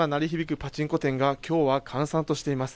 パチンコ店が、きょうは閑散としています。